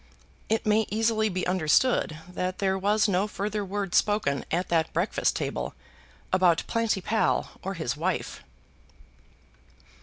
It may easily be understood that there was no further word spoken at that breakfast table about Planty Pall or his wife.